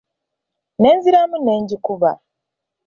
Nenziramu n'engikuba.